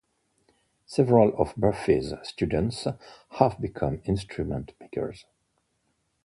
Several of Murphy's students have become instrument makers.